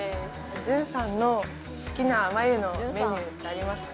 純さんの好きな麻釉のメニューはありますか？